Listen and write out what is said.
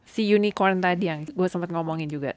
si unicorn tadi yang gue sempet ngomongin juga